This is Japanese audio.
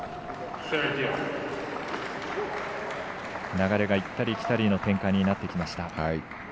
流れが行ったり来たりの展開になってきました。